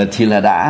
thì là đã